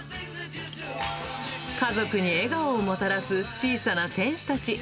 家族に笑顔をもたらす小さな天使たち。